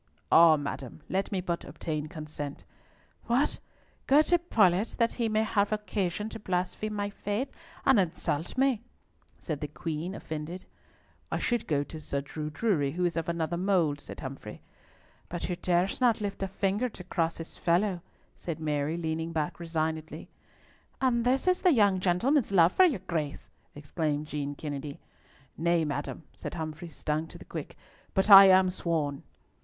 "Ah, madam! Let me but obtain consent." "What! go to Paulett that he may have occasion to blaspheme my faith and insult me!" said the Queen, offended. "I should go to Sir Drew Drury, who is of another mould," said Humfrey— "But who dares not lift a finger to cross his fellow," said Mary, leaning back resignedly. "And this is the young gentleman's love for your Grace!" exclaimed Jean Kennedy. "Nay, madam," said Humfrey, stung to the quick, "but I am sworn!"